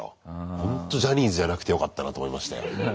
ほんとジャニーズじゃなくてよかったなと思いましたよ。